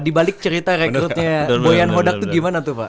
di balik cerita rekrutnya boyan hodak itu gimana tuh pak